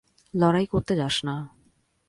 লড়াই করতে যাস না।